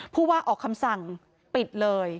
ผู้ว่าออกคำสั่งปิดเลย